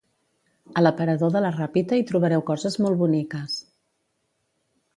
A l'aparador de la Ràpita hi trobareu coses molt boniques